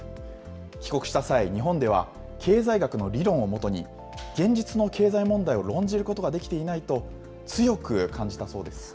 帰国した際、日本では経済学の理論をもとに、現実の経済問題を論じることができていないと、強く感じたそうです。